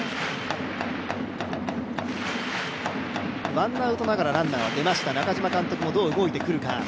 ワンアウトながらランナーは出ました、中嶋監督もどう動いてくるか？